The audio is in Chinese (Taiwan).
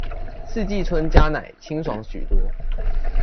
四季春加奶清爽許多